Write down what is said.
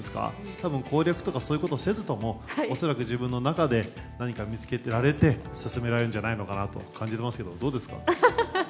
たぶん、攻略とか、そういうことをせずとも、恐らく自分の中で、何か見つけられて、進められるんじゃないのかなと感じますけど、どうですか？